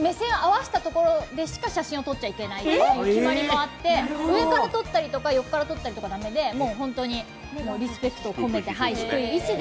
目線を合わせたところでしか写真を撮っちゃいけないという決まりがあって上から撮ったりとか横から撮ったりとか駄目で、もう本当に、リスペクトを込めて。